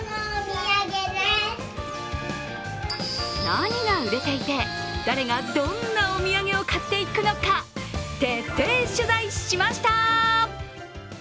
何が売れていて、誰がどんなお土産を買っていくのか徹底取材しました！